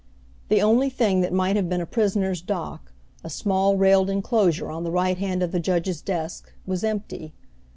The only thing that might have been a prisoner's dock, a small railed inclosure on the right hand of the judge's desk, was empty.